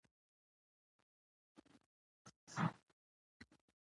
د بیکارۍ ستونزه زیاته شوې ده.